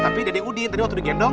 tapi dede udin tadi waktu di gendong